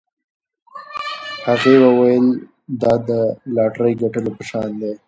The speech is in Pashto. هغې وویل دا د لاټرۍ ګټلو په شان دی.